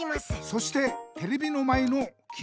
そしてテレビの前のきみ！